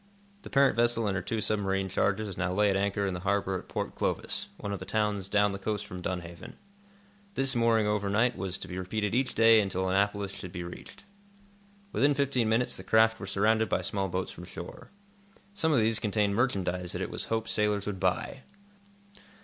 The parent vessel and her two submarine charges now lay at anchor in the harbor at Port Clovis, one of the towns down the coast from Dunhaven. This mooring overnight was to be repeated each day until Annapolis should be reached. Within fifteen minutes the craft were surrounded by small boats from shore. Some of these contained merchandise that it was hoped sailors would buy.